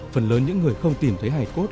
phần lớn những người không tìm thấy hải phốt